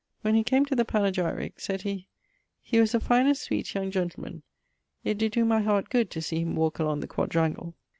When he came to the panegyrique, sayd he, 'He was the finest, swet young gentleman; it did doe my heart good to see him walke along the quadrangle.